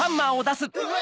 うわ！